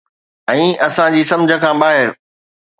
۽ اسان جي سمجھ کان ٻاهر